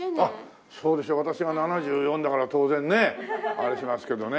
私が７４だから当然ねあれしますけどね。